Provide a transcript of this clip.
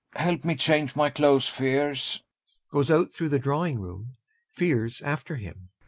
Help me change my clothes, Fiers. [Goes out through the drawing room; FIERS after him.